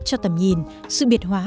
cho tầm nhìn sự biệt hóa